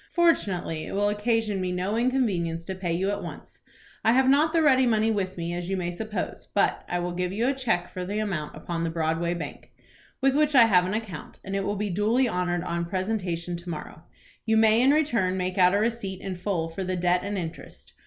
"Fortunately it will occasion me no inconvenience to pay you at once I have not the ready money with me as you may suppose, but I will give you a cheque for the amount upon the Broadway Bank, with which I have an account; and it will be duly honored on presentation to morrow. You may in return make out a receipt in full for the debt and interest.